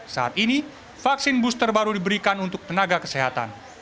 saat ini vaksin booster baru diberikan untuk tenaga kesehatan